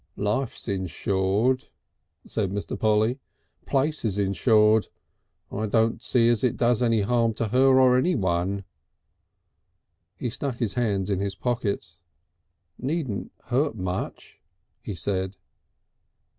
"Life's insured," said Mr. Polly; "place is insured. I don't see it does any harm to her or anyone." He stuck his hands in his pockets. "Needn't hurt much," he said.